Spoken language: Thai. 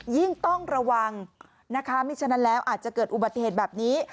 ยิ่งต้องระวังนะคะไม่ฉะนั้นแล้วอาจจะเกิดอุบัติเหตุแบบนี้